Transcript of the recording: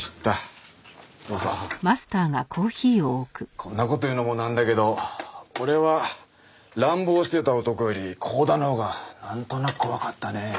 こんな事言うのもなんだけど俺は乱暴してた男より光田のほうがなんとなく怖かったね。